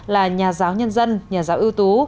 là nhà giáo nhân dân nhà giáo ưu tú